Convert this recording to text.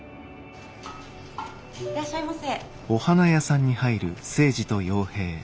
いらっしゃいませ。